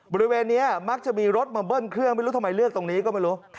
บริเวณนี้มักจะมีรถมาเบิ้ลเครื่องไม่รู้ทำไมเลือกตรงนี้ก็ไม่รู้